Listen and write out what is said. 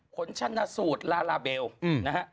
ผลชนะสูตรลาลาเบลนะฮะ